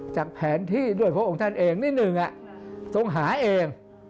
จากแผนที่ด้วยพระองค์ท่านเองนิดหนึ่งทรงหาเอง